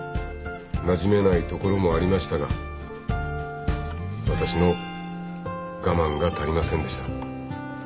なじめないところもありましたがわたしの我慢が足りませんでした。